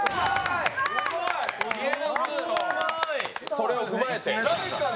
それを踏まえて。